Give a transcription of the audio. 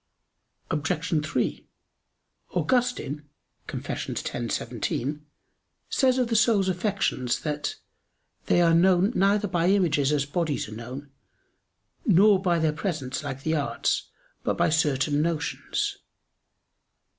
Obj. 3: Augustine (Confess. x, 17) says of the soul's affections that "they are known neither by images as bodies are known; nor by their presence, like the arts; but by certain notions."